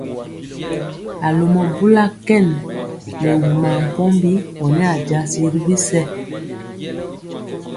A lomɔ bula kɛn nɛ wumaa mpɔmbi ɔ nɛ a jasi ri bisɛ.